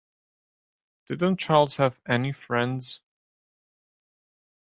Didn't Charles have any friends?